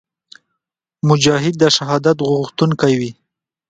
مجاهد د شهادت غوښتونکی وي.